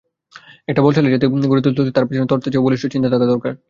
একটা বলশালী জাতি গড়ে তুলতে হলে তার পেছনে তরতাজা ও বলিষ্ঠ চিন্তা থাকা দরকার।